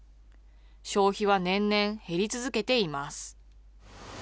消費は年々減り続けています。